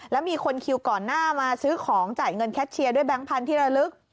แล้วมีคนคิวก่อนหน้ามาซื้อของจ่ายเงินแคทเชียร์ด้วยแก๊งพันธุ์ที่ระลึก